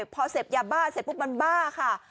พอเสพยาบ้าเสร็จปุ๊บมันบ้าค่ะ